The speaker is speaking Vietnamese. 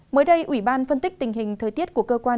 mới đây ủy ban phân tích tình hình thời tiết của cơ quan